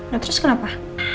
nah terus kenapa